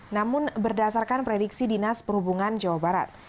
namun berdasarkan prediksi dinas perhubungan jawa barat